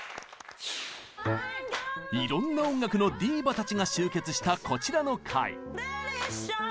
いろんな音楽のディーヴァたちが集結したこちらの回。